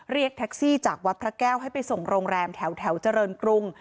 เรียกแท็กซี่จากวัดพระแก้วให้ไปส่งโรงแรมแถวเจริญกรุง